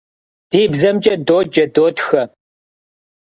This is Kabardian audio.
Di bzemç'e doce, dotxe.